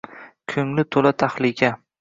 Ko’ngli to’la tahlika…